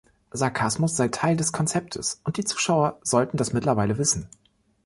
Sarkasmus sei Teil des Konzeptes, und die Zuschauer sollten das mittlerweile wissen.